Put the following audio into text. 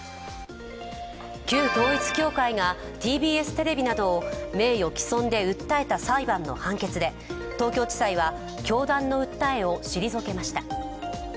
旧統一教会が、ＴＢＳテレビなどを名誉毀損で訴えた裁判の判決で、東京地裁は、教団の訴えを退けました。